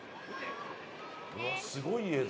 うわっすごい映像！